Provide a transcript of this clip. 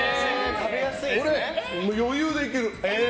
俺、余裕でいける。